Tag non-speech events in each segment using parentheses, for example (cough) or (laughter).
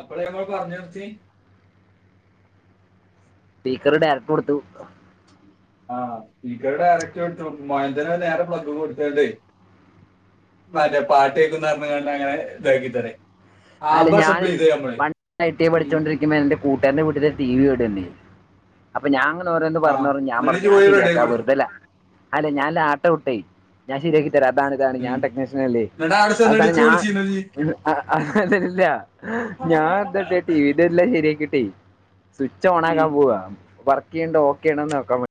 അപ്പള് ഞങ്ങള് പറഞ് നിർത്തി സ്പീക്കറുടെ അരപ്പ് കൊടുത്തു ആ സ്പീക്കറ് ഡയറക്ട് കൊടുത്തു മോയന്തന് നേരെ (unintelligible) കൊടുത്തണ്ടെ മറ്റേ പാട്ട് കേക്കുന്ന് പറഞ്ഞണ്ട് ഒരെണ്ണം അങ്ങനെ (unintelligible) അല്ല ആമ്പ അസംബിൾ ഞാനേ ചെയ്ത് നമ്മള് പണ്ട് ഐ. ടി. എ പഠിച്ചോണ്ടിരിക്കുമ്പ എന്റെ കൂട്ടുകാരന്റെ വീട്ടീല്ലേ ടി. വി കേട് വന്നേ അപ്പൊ ഞാ ഓരോന്ന് ഓരോന്ന് ആ പറഞ്ഞ് പറഞ്ഞ് ഞാൻ എന്നിട്ട് പറഞ്ഞെ ഇജ്ജ് ഞാൻ പോയി റെഡി ആയി ശരിയാക്കാം കൊടുത്തു വെറുതെ ലാ അല്ല ഞാൻ ലാപ്ട്ട വിട്ടേ ഞാൻ ശരിയാ (unintelligible) അതാണ് ഇതാണ് ഞാൻ ടെക്നീഷ്യനല്ലേ എന്നിട്ട് അവിടെ ചെന്നിട്ട് അവസാന ഇച്ച് വിളിച്ചിരുന്നു ഇജ്ജ്. ഞാന് അതെല്ല ഞാൻ ന്താട്ടി ട്ടെ ടിവിന്റെ എല്ലാം ശരിയാക്കിട്ടെ സ്വിച്ച് ഓണാക്കാൻ ഉം. പോവാ ക്കേണ്ട് ഓക്കെണന്ന് നോക്കാൻ വേ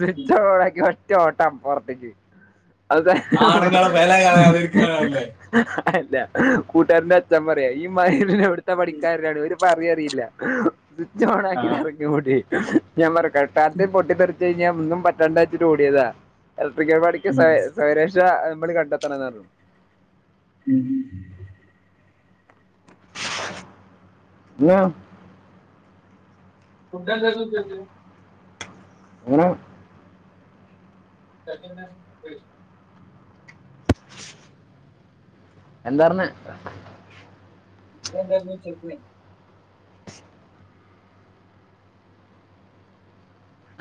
സ്വിച്ച് ഓണാക്കിപ്പം ഒറ്റ ഓട്ടാ അപ്പുറത്തേക്ക് അതെ ആണുങ്ങളെ വില കളയാതിരിക്കാനല്ലേ അല്ല കൂട്ടുകാരന്റെ അച്ചൻ പറയാ ഈ മൈരിനെ എവിടെ ത്തെ പണിക്കാരനാണ് ഒരു പറി അറിയില്ല ആ സ്വിച്ചോണാക്കിട്ടറിങ്ങി ഓടി ഞാൻ പറയും കേട്ടാതി പൊട്ടിതെറി അത് കഴിഞ്ഞ് ഒന്നും പറ്റാണ്ടാച്ചിട്ട് ഓടിയതാ ഇലക്ട്രിക്കൽ പണിക്ക് സ്വയ സ്വയരക്ഷ‌ നമ്മള് കണ്ടെത്തണാർഞ്ഞു ഉം ന്നെ ഫുഡെന്തേനുച്ചക്ക് ഏ (unintelligible) എന്താർഞ്ഞെ ഫുഡെന്തായിരുന്നു ഉച്ചയ്ക്ക്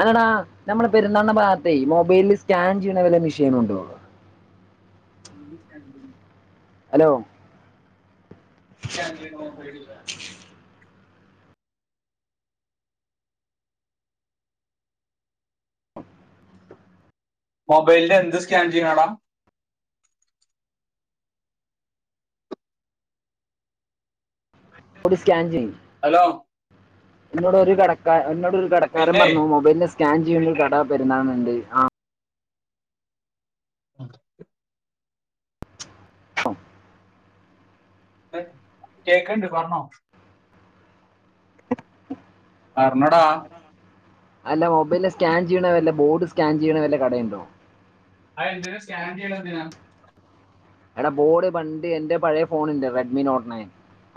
അല്ലടാ ആ, നമ്മള് പെരുന്നാളിന് വാ അതെ ഈ മൊബൈലിൽ സ്കാൻ ചെയ്യണ വല്ല മെഷീനും ഉണ്ടോ (unintelligible) ഹലോ (unintelligible) മൊബൈലിന്റെ എന്ത് സ്കാൻ ചെയ്യാനെടാ ഒരു സ്കാൻ ചെയ്യും ഹലോ എന്നോടൊരു കടക്കാൻ എന്നോടൊരു കടക്കാരൻ പിന്നെ പറഞ്ഞു മൊബൈലിന്റെ സ്‌ക സ്കാൻ ചെയ്യണൊരു കട പെരുന്നാളിന്ണ്ട് ആ (unintelligible) കേ കേക്കണ്ട് പറഞ്ഞോ. അർണടാ അല്ല മൊബൈല് സ്കാൻ ചെയ്യണ വല്ല ബോർഡ് സ്കാൻ ചെയ്യണ വല്ല കടയുണ്ടോ? ആ എന്തിനാ സ്കാൻ ചെയ്യണ എന്തിനാ? എടാ ബോഡ് ബണ്ട് എന്റെ പഴയ ഫോണണ്ട് റെഡ്മി നോട്ട് ണയൻ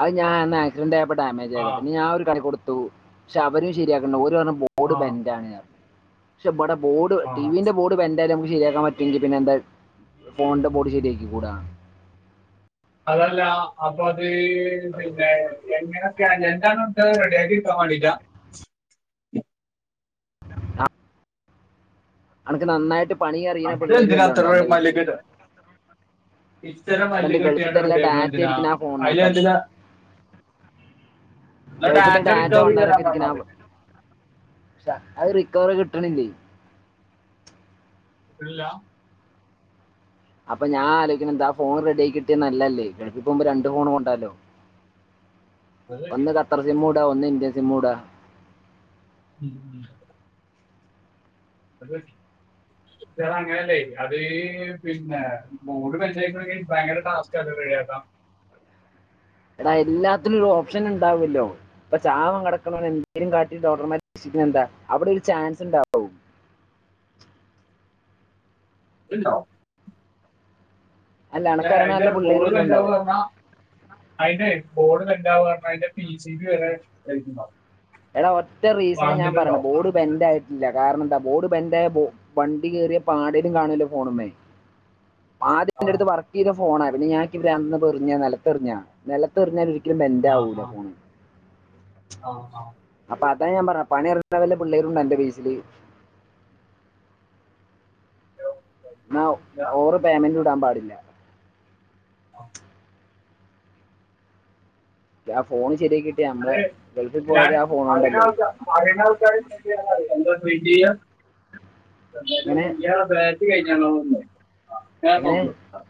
അത് ഞാൻ അന്ന് ആക്സിഡന്റ് ആയ ആ ഡാമേജായതാ പിന്നെ ഞൻ ഒരു കടെകൊടു ത്തു ക്ഷേ അവരും ശരിയാക്കണ്ട ഓര്പറ്ണ ആ ബോഡ് ബെന്റാണ് ശെ ബടെ ബോഡ് വെ ആ ടിവിന്റെ ബോഡ് ബെ ന്താലും നമ്മക്ക് ശെരിയാക്കാൻ പറ്റൊങ്കി പിന്നെന്താ ഫോൺന്റെ ബോഡി ശരിയ ക്കുടാ. അതല്ല അപ്പ അത് ത് പിന്നെ എങ്ങനൊക്കെയാണ് അന്റെ എന്താണോ അൻക്ക് അഹ് റെഡിയാക്കി ഇട്ക്കാൻ മാണ്ടിട്ടാ? ആ അൻക്ക് നന്നായിട്ട് പണി അറിയ്ണ അത് പിള്ളേര് എന്തിനാ വല്ലോം ഉണ്ടോ അന്റെ ബേസില്? ഇത്തര മല്ല് കെട്ടിയാണ്ട് റെഡി ആക്ക്ണ് എന്തിനാ ഇരിക്കുന്ന ആ അയിൽ ഫോണിനകത്താണ് എന്തിനാ ന്നാ ഗൾഫിലത്തെ ഡാറ്റാ ഡാറ്റ റിക്കവർ ചെയ്ത് തരാൻ പണ്ടാരൊക്കെ പർഞ്ഞാ ഇരിക്കുന്ന ആ പോരെ? അത് റിക്കവറി കിട്ട്ണില്ലെയ് കിട്ട്ണ് ഇല്ലാ അപ്പ ഞാൻ ആലോയിക്ക്ണെ എന്താ ഫോൺ റെഡി ആയി കിട്ടിയ നല്ലെയ് അല്ലേ ഗൾഫി പോവുമ്പം രണ്ട് ഫോൺ കൊണ്ടാവാല്ലോ. അത് ഒന്ന് കത്തർസിമ്മും ഇ ഒന്ന് ഇന്റെ സിമ്മുടാ. (inaudible) അത് പറ്റി (unintelligible) അങ്ങനെ അല്ലെ അത് പിന്നെ ബോഡ് ബെൽഡായിക്ക്ണെങ്കി ഭയങ്കര ടാസ്ക്കാ അത് റെഡിയാക്കാം. എടാ എല്ലാത്തിനും ഒര് ഓപ്ഷൻ ഇണ്ടാവൊല്ലോ ഇപ്പ ചാവാൻ കെടക്കുന്നോൻ എന്തെലും കാട്ടി ഡോക്ടർമാർ രക്ഷിക്ക്ണെ എന്താ അവിടെ ഒരു ചാൻസ് ഇണ്ടാവും. ഇണ്ടൊ? അല്ല എടാ എനക്കറിയണ അയിന്റെ നല്ല പിള്ളേരും ഗോള് എല്ലാം ബെന്റാവാ ഉണ്ടാവും പർണ് അയിന്റെയ് ബോഡ് ബെന്റാവാ പർണാ അയിന്റെ പി സി ബി വരെ കഴിഞ്ഞിണ്ടാവും. എടാ ഒറ്റ റീസണെ ഞാൻ പറിണെ ബോഡ് ബെന്റായിട്ടില്ല കാരണം എന്താ ബോഡ് ബെന്റായ ബോ വണ്ടി കേറെ പാടെലും കാണാലോ ഫോൺമ്മേ? ആദ്യം ആ ഇന്റെട്ത്ത് വർക്ക് ചെയ്ത ഫോണാ പിന്നെ ഞാ ഇക്ക് ബ്രാന്ത് വന്നപ്പം എറിഞ്ഞാ നെലത്ത് എറിഞ്ഞാ നെലത്തെറിഞ്ഞാ വീ ക്കലും ആ ബെന്റാവൂല ആ ഫോണ്. ആ ആ അതാ ഞാൻ പറഞ്ഞെ പണി അറിയുന്ന വല്ല പിള്ളേരും ഇണ്ടോ അന്റെ ബേസില്? ന്നാ ഇല്ല. ഓവറ് പേമെന്റ് കൊ ത്താൻ പാടില്ല ആ ആ ഫോൺ ശരിയാക്കിയിട്ട് നമ്മളെ അതെ ഗൾഫിൽ ഞാൻ പോയത് ആ ഫോൺ കൊണ്ടല്ലേ അറിണാൾ പരിണാൾക്കാര് ഇണ്ടെ (unintelligible) പറീലാ എന്തോട്രീറ്റ് ചെയ്യാ എങ്ങനെ (unintelligible) ബാറ്റി കഴി ഞങ്ങളുംണ്ട് എങ്ങനെ (unintelligible)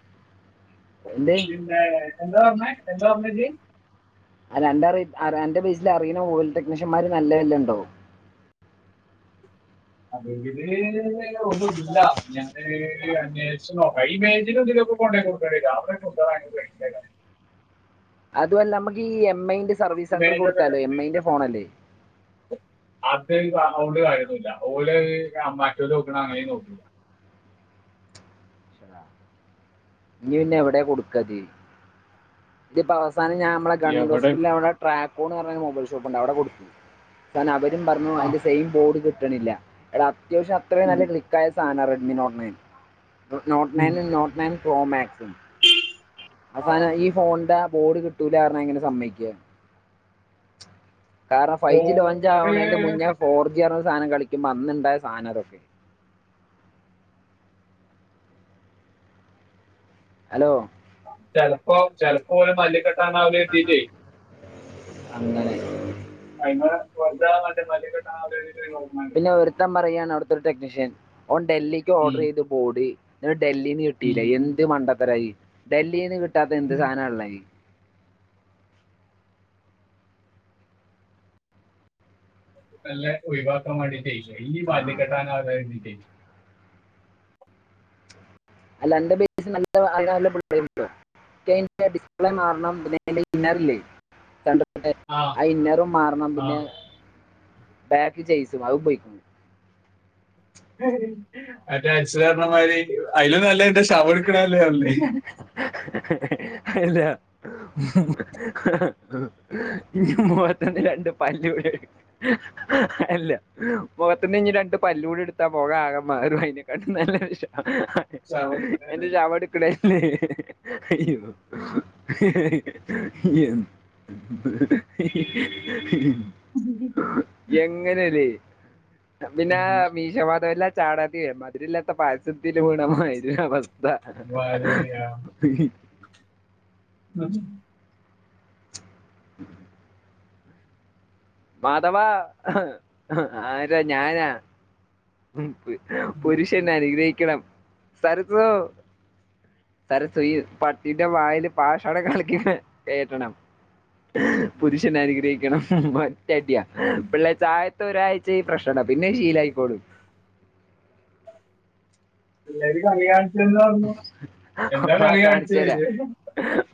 എന്ത് പിന്നേ എന്താ പറഞ്ഞേ എന്താ പറഞ്ഞെ ജ്ജ് (unintelligible) റെയിറ്റ് അൻ്റെ ബേയിസില് അറിയുന്ന ഓയിൽ ടെക്നീഷ്യന്മാര് നല്ല വല്ല ഉണ്ടോ? അറിവില് ഒന്നും ഇല്ല ഞാന് അന്യോഷിച്ച് നോക്കാം ഇമേജിലും ഇതിലൊക്കൊ കോണ്ടോയി കൊടുക്ക (unintelligible) അതുവല്ല നമ്മക്കീ എം എമ്മഐന്റെ സവീസ് സെൻ്ററില് മേജൊക്കെ കൊടുത്താലോ എമ്മ ഐൻന്റെ ഫോണല്ലേ? അത് സൗണ്ട് (unintelligible) ഓല് മറ്റോല് നോക്കണ അങ്ങനൊ (unintelligible) ഇനി പിന്നെ എവിടെയാ കൊടുക്കാത് സാനം ഞാന് നമ്മളെ ഗവൺമെന്റ് എവിടെ ഹോസ്പ്പിറ്റലിൽ അവിടെ ട്രാപ്പൂൺ പറഞ്ഞ മൊബൈൽ ഷോപ്പ് പ്പുണ്ട് അവിടെ കൊടു കാരണം അവര് പറഞ്ഞു അതിന്റെ സെയിം ബോർഡ് കിട്ട് ക്ക്ണില്ല എടാ സിറ്റുവേഷൻ അത്രേം നല്ല ക്ലിക്കായ സാന Redmi note nine note nine note nine പ്രോമാക്സിൻ അവസാനം ഈ ഫോണിന്റെ ആപ് ബോഡ് കിട്ടൂല പറഞ്ഞാ ആ എങ്ങനെ സമ്മയിക്കാ കാരണം ഫൈവ് ജി ഓര് ലോഞ്ചാവേണേൻ്റെ മുന്നേ ഫോർ (unintelligible) സാധനം കളിക്കുമ്പോ അന്ന്ണ്ടായ സാനാ ഇതൊക്കെ ഹലോ ചെലപ്പോ ചെലപ്പോ ഒരു മല്ലി (unintelligible) അങ്ങനെ അതിന് (unintelligible) പിന്നെ ഒരുത്തൻ പറയാണ് അവിടുത്തൊരു ടെക്നീഷൻ ഓൻ ഡൽഹിക്ക് ഉം, ഓർഡറെയ്തു ബോഡി (unintelligible) ഡൽഹിന്ന് ഉം. കിട്ടിയില്ല എന്ത് മണ്ട ത്തരായി ഡൽഹീന്ന് കി ട്ടാത്ത എന്ത് സാധനാ ഇള്ളത്? മെല്ലെ ഒഴിവാക്കാൻ വേണ്ടീട്ടെ ഈ ആ (unintelligible) അതായത് (unintelligible) (unintelligible) ഇക്ക് അയിന്റെ ഡിസ്പ്ലേ മാറണം പിന്നെ അതിൻറെ ഇന്നർ ഇല്ലേ (unintelligible) (unintelligible) ആ അ ഇന്നറും മാറണം ആ പിന്നെ ബാക്ക് ചെയ്സും അതും പോയി മറ്റേ (unintelligible) പറഞ്ഞമാതിരി ആയിലും നല്ലത് ന്റെ ശവടുക്കണല്ലേ നല്ലത് അല്ല ഇനി മുഖത്തിന്ന് രണ്ട് പല്ലൂടെ അല്ല മുഖത്തിന്ന് ഇഞ്ഞി രണ്ട് പല്ലൂടെ എടുത്താ മുഖാകെമാറും ഐനക്കാട്ടിം നല്ലത് വിഷ (unintelligible) അയ്യോ എൻ എങ്ങനേലേ പിന്നാ മീശമാധവനിലെ ചാണാതി മതിരില്ലാത്ത പായസത്തിലും നമ്മ (unintelligible) താ ഉം (inaudible) മാധവാ ആരാ ഞാനാ ഉം പുരുഷൻ അനുഗ്രഹി ക്കണം സരസൂ സരസു ഈ പട്ടീന്റെ വായില് പാഷണം കലക്കി കേറ്റണം പുരുഷൻ അനുഗ്രഹി ക്കണം ബാ (unintelligible) പിള്ളേ ചായ് തെ ഒരാഴ്ച ഈ പ്രശ്ന പിന്നെ ശീലായിക്കോളും പിള്ളേര് കളി ആണ് പ കാണിച്ചരാ കാണിച്ചത്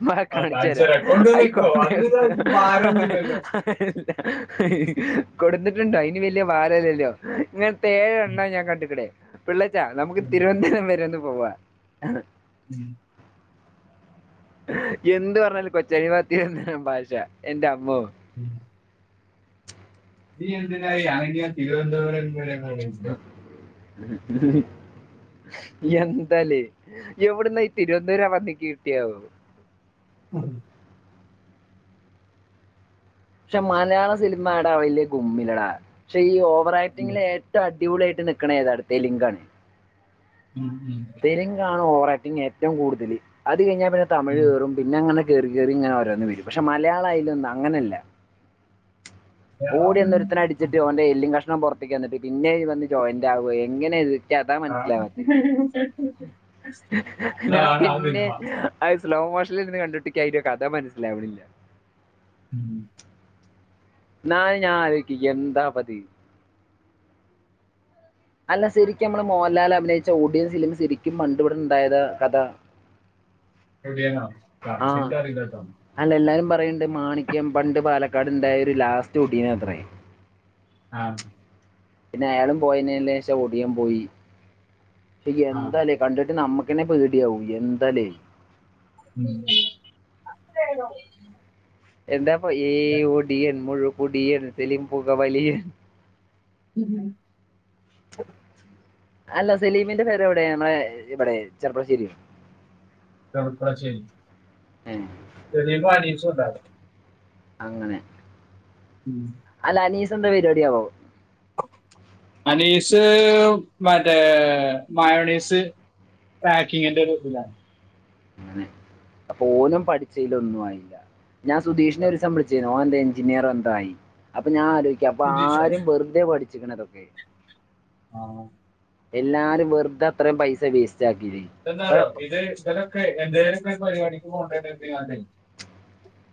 പ ആ കാണിച്ചു കാണിച്ചരാ തരാം കൊണ്ടുവന്നിട്ടോ ആയിക്കൊണ്ട അതിന് ഭാരമൊന്നുമില്ലല്ലോ കൊടുത്തിട്ടുണ്ടോ അയിന് വലിയ ഭാരല്ലല്ലോ ഇങ്ങ ഏഴ് എണ്ണ ഞാൻ കണ്ട്ക്ക്‌ണേ പിള്ളച്ചാ നമുക്ക് തിരുവനന്തപുരം വരെ ഒന്ന് ഉവ്വ് (inaudible) ഉം എന്ത് പറഞ്ഞാലും കൊച്ചനിമാത്തിയ ഭാഷ എന്റെ അമ്മ ഉം നീ എന്തിനാ ആണെങ്കൻ തിരുവനന്തപുരം വരെ പോണില്ല എന്താലേ എവിട്ന്ന ഈ തിരുവനന്തപുര പന്നിക്ക്‌ കിട്ടിയാവൊ ആ ക്ഷെ മലയാള സിനിമടാ വലിയ ഗുമ്മില്ല ടാ പക്ഷെ ഈ ഓ (unintelligible) (unintelligible) പെരും കാണോ (unintelligible) ഏറ്റവും കൂടുതല് അത് ത് കഴിഞ്ഞാ പിന്നെ തമിഴ് കേറും പിന്നങ്ങനെ കേറി കേറി ങ്ങനെ ഓരോന്ന് വെരും പക്ഷെ മലയാളായാലും എന്ത അങ്ങനെല്ല ഓടിവെന്നൊരുത്തിനടിച്ചിട്ട് ഓന്റെ എല്ലും കഷ്ണം ണം പൊറത്തേക്ക് വന്നിട്ട് പിന്നെ ഇ വന്ന് ജോയിന്റാവ എങ്ങനെഇത് ഞാൻ പിന്നെ അത് (inaudible) സ്ലോ മോഷനിലിര്ന്ന് കണ്ട്ട്ട് ക്ക് അതിന്റെ കഥ മനസ്സിലാവണില്ല ഉം ന്നാലും ഞാൻ ആലോക്ക എന്താപ്പത് അല്ല ശെരിക്കും നമ്മൾ മോഹൻലാൽ അഭിനയിച്ച ഓടിയൻസ് ഫിലിം ശെരിക്കും പണ്ടുവെടെണ്ടായത കഥ (unintelligible) (unintelligible) ണ്ട് മാണിക്യം പണ്ട് പാലക്കാട്ണ്ടായ ഒരു ലാസ്റ്റ് ഓടിനത്രേ ആ പിന്നെ അയാളും പോയതിന് ശേഷം ഒടിയൻ പോയി ആ എന്താലേ കണ്ടിട്ട് നമ്മക്ക് ങ്ങനെ പേടിയാവും എന്താലേ (inaudible) എന്താപ്പൊ ഏ ഒടിയൻ എ മുഴു ഒടിയൻ (unintelligible) പുക വലി ഉം അല്ല സലീമിന്റെ പെര എവടെ നമ്മളെ ഇവിടെ ചെറുപ്പളശ്ശേരി ചെറുപ്ലശ്ശേരി ഏഹ് സലീമും അനീഷും ണ്ടായിരുന്നു അങ്ങനെ അല്ല അനീസ് ന്താ പരിപാടിയാവോ ഷ് മറ്റേ മായോണയ്സ് പാക്കിങ്ങിന്റെ ഒരു ഇതിലാണ് അങ്ങനെ അപ്പോ ഓലും പഠിച്ചേലൊന്നും ആയിട്ടില്ല ഞാൻ സുതീഷിനെ ഒരുസം വിളിച്ചിന്ന് ഓൻ ന്താ എഞ്ചിനീയർ എന്തോ ആയി അപ്പൊ ഞാ തെനിക്ക്യ ഇപ്പ സുധീഷോ ആരും വെറുതെ പഠി ച്ച്ണതൊക്കെ- ആ എല്ലാരും വെറുതെ അത്രയും പൈസ വേസ് എന്നാരോ ഇത് സ്ഥലം ക്കെ എന്തായെലും പരിപാടിക്ക് പോകണ്ടാ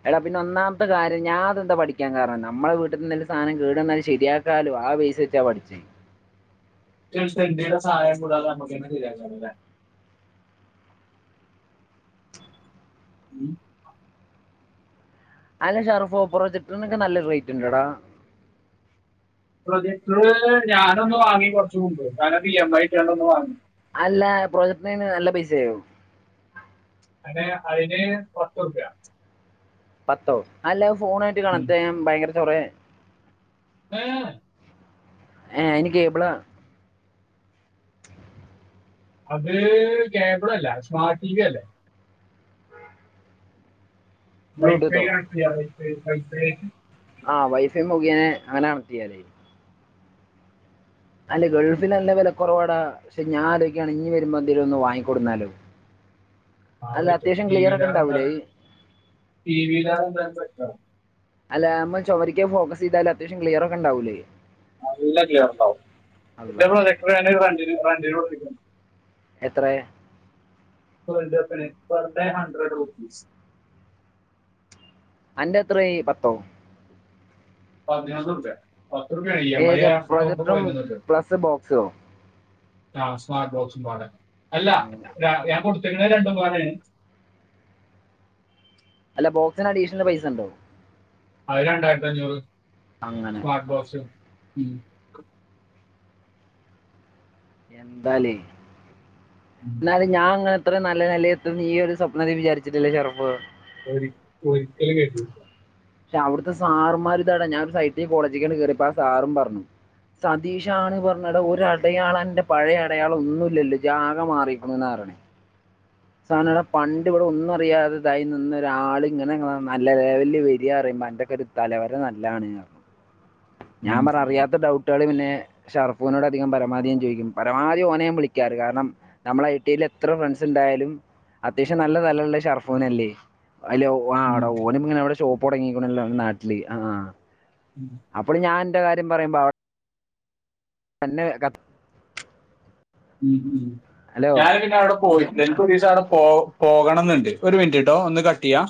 എടാ പിന്നെ ഒന്നാമത്തെ കാര്യം ഞാൻതെന്താ പഠിക്കാൻ കാരണം നമ്മൾ വീട്ട് ത്ത്നിന്നും സാധനം കേട്‌വന്നാല് ശരിയാക്കാലോ ആ ബേസ് വച്ചാ പഠിച്ചേ (unintelligible) എന്ന്ത്യുടെ സഹായം കൂടാതെ നമുക്ക് തന്ന ശരിയാക്കായില്ലേ ഉം അല്ല ഷാറുഫ് പ്രോജക്ട്ന്നൊക്കെ നല്ല റേറ്റ് ഉണ്ട്ടാ പ്രൊജക്ട്റ് ഞാനൊന്ന് വാങ്ങി കെറച്ച് മുമ്പ് ഞാനപ്പ ഇ എം ഐ ഇട്ട് ഒന്ന് വാങ്ങി അല്ല പ്രോജക്ടിനന് നല്ല പൈസ യാവും അതെ ആയിന് പത്ത് രൂപ്യാ പത്തോ അല്ല ഫോണായിട്ട് കണക്റ്റ് എയ്യാൻ ഭയങ്കര (unintelligible) ആഹ ആഹ അയിന് കേബള അത് കേബിള അല്ല സ്മാർട്ട് ടി വി അല്ലേ വൈ ഫൈ ബ്ലൂടൂത്തോ കണക്ട് വൈ ഫൈ (unintelligible) (unintelligible) ആഹ വൈഫൈ മുഖേനെ അങ്ങനെ കണക്റ്റ് എയ്യാലേ അല്ല ഗൾഫിൽ നല്ല വില കെറവാടാ പക്ഷെ ഞാൻ ആലോചിക്കെയാണ് ഇനി വരുമ്പോ എന്തെങ്കലും ഒന്ന് വാങ്ങിക്കൊടു വന്നാലോ ആ (unintelligible) ടി വിയിലറെണ്ടാലും ടി വിയിലണ്ടാലും ആ അല്ല നമ്മ ചേവരിക്കക്ക് ഫോസ് ചെതാല് അത്യാവശ്യം ക്ലിയർ ഒക്കെ ഉണ്ടാവൂല്ലേ നല്ല ക്ലിയർണ്ടാവും അല്ല (unintelligible) ഇത് ബാന്റെയില് ഉറപ്പിക്കണം എത്രയ പെർ ഡേ പ്പണ പെർ ഡേ ഹഡ്രഡ് റൂപ്പീസ് അന്റെ എത്രയ് പത്തോ (unintelligible) ഇ എം ഐ ഏത് ആവുമ്പോ പ്രൊജക്ടറും പ്ലസ് ബോക്സോ റ്റാസ്മ ബോസും പാടെ അല്ല അങ്ങനെ ഞാൻ കൊടു ചങ്ങായി രണ്ടോ പോല അല്ല ബോക്സിന് അഡീഷണൽ പൈസ ഉണ്ടോ ആ രണ്ടായിരത്തി അഞ്ഞൂറ് അങ്ങനെ സ്മാർട്ട ബോസ് ഉം എന്താല എന്ന അത് ഞാൻങ്ങനെ അത്ര നല്ല നിലയ എത്ത ഈ ഒരു സ്വപനൽ വിചാരിച്ചട്ടില്ല ഷെറഫ് ഒരു ഒരുരിക്കല കട്ട പക്ഷെ അവിടുത്തെ സാറുമാര് ഇതട ഞാനൻ ഒരു സൈറ്റ കോളേജിക്കണ്ട് കേയറിപ്പ ആ സാറും പറഞ്ഞു സതീഷാണ് പറഞ്ഞട അടയാള എന്റെ പഴയ അടയാള ഒന്നുംല്ലല്ലോ ജാക മാറരിക്കുന്നുന്ന് പററണേ സാനവിടെ പണ്ടിവിടെ ഒന്നും അറിയാതെതായി നിന്നൊരാള് ഇങ്ങനെ നല്ല ലെവലില് വര്യ പറയുമ്പോ അന്റെക്കൊരു തലവര നല്ലാണ് ഞാൻ പറ അറിയാത്ത ഡൗട്ട് കുട്ട്യേള് പിന്നെ ഷാർഫൂനോട് അധികം പരമാധി ഞാ ചോദിക്കും പരമാവധി ഓന ഞാൻ വിളിക്കാറ് കാരണം നമ്മളെ ഐ ടി എല്ല് എത്ര ഫ്രണ്ട്സ് ഇണ്ടായാലും അത്യാവശ്യം നല്ല തലള്ളെത് ഷർഫൂനല്ലേ അയ്ല് ഒ ഒ ആ ട ഓനിങ്ങനെ ഔടെ ഷോപ്പ പുടങ്ങീക്കണല്ലൊ ഇ നാട്ടില് ആ ഉം അപ്പളും ഞാൻ അന്റെ കാര്യം പറയുമ്പോ അവിടെ തന്നെ കഥ ഉംഉം ഞാൻ പിന്നെ അവിടെ പോയിട്ട എനിക്ക് ഒരു ദിവസം അവിടെ പോ പോകണം എന്നുണ്ട് ഒരു മിനിറ്റ്ട്ടോ ഒന്ന് കട് ത്തിയാ